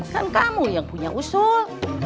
kan kamu yang punya usul